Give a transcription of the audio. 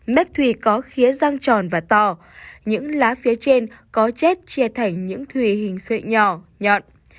nếp thùy có khía rang tròn và to những lá phía trên có chét chia thành những thùy hình sợi nhỏ nhọn